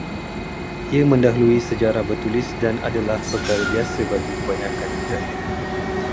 Ia mendahului sejarah bertulis dan adalah perkara biasa bagi kebanyakan budaya